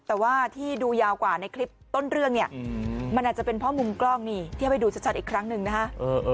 แต่ว่าที่ดูยาวกว่าในคลิปต้นเรื่องเนี่ยมันอาจจะเป็นเพราะมุมกล้องนี่เทียบให้ดูชัดอีกครั้งหนึ่งนะฮะ